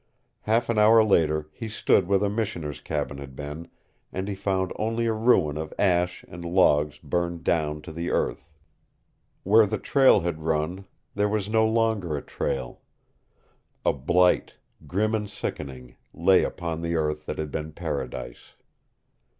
Half an hour later he stood where the Missioner's cabin had been and he found only a ruin of ash and logs burned down to the earth. Where the trail had run there was no longer a trail. A blight, grim and sickening, lay upon the earth that had been paradise.